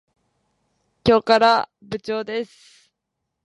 今日から部長です。